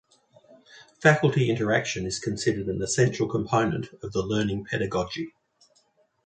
Faculty interaction is considered an essential component of the learning pedagogy.